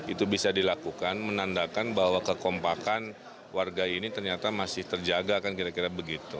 itu bisa dilakukan menandakan bahwa kekompakan warga ini ternyata masih terjaga kan kira kira begitu